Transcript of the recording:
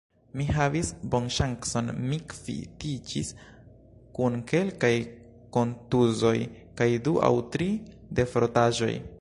Mi havis bonŝancon, mi kvitiĝis kun kelkaj kontuzoj kaj du aŭ tri defrotaĵoj.